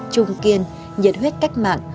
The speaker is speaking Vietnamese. trung kiên nhiệt huyết cách mạng